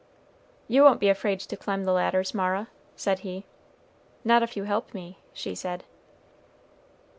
"You won't be afraid to climb the ladders, Mara?" said he. "Not if you help me," she said.